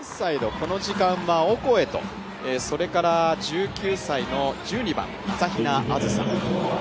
この時間はオコエとそれから１９歳の１２番朝比奈あずさ。